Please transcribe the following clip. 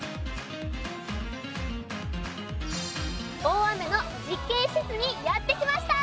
大雨の実験施設にやってきました！